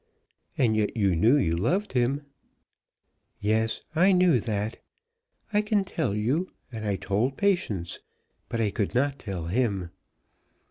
"And yet you knew you loved him." "Yes; I knew that. I can tell you, and I told Patience. But I could not tell him."